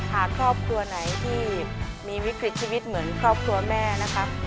หากครอบครัวไหนที่มีวิกฤตชีวิตเหมือนครอบครัวแม่นะครับ